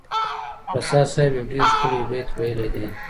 رسا صاحب یو ډېر ښکلی بیت ویلی دی.